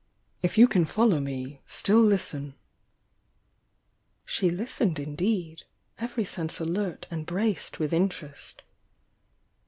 If you can follow me, still listen!" She listened indeed, — every sense alert and braced with interest.